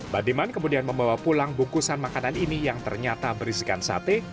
bandiman kemudian membawa pulang bungkusan makanan ini yang ternyata berisikan sate